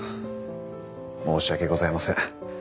申し訳ございません。